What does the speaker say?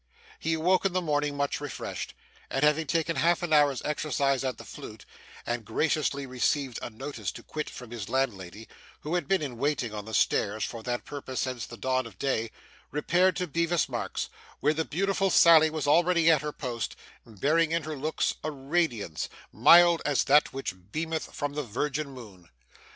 He awoke in the morning, much refreshed; and having taken half an hour's exercise at the flute, and graciously received a notice to quit from his landlady, who had been in waiting on the stairs for that purpose since the dawn of day, repaired to Bevis Marks; where the beautiful Sally was already at her post, bearing in her looks a radiance, mild as that which beameth from the virgin moon.